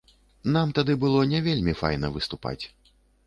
Нам тады было не вельмі файна выступаць.